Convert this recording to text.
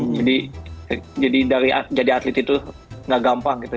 jadi jadi dari jadi atlet itu nggak gampang gitu